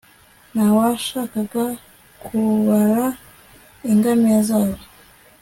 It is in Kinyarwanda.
ntawabashaga kubara ingamiya zabo